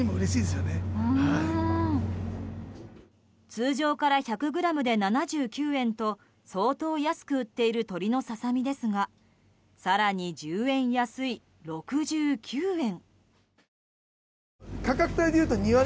通常から１００ｇで７９円と相当安く売っている鶏のささ身ですが更に１０円安い６９円。